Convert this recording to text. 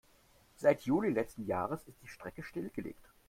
Seit Juli letzten Jahres ist die Strecke stillgelegt.